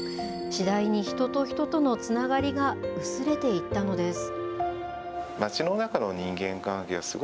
次第に人と人とのつながりが薄れていったのです。